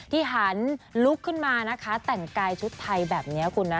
หันลุกขึ้นมานะคะแต่งกายชุดไทยแบบนี้คุณนะ